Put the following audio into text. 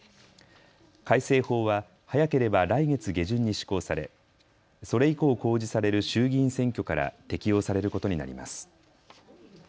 改正法は早ければ来月下旬に施行されそれ以降、公示される衆議院選挙から適用されることになります。